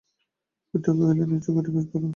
বৃদ্ধ কহিলেন, এ ছোকরাটি বেশ ভালো।